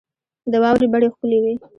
د واورې بڼې ښکلي وې.